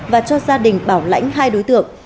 và cho gia đình bảo lãnh hai đối tượng